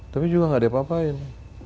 tapi juga nggak ada apa apain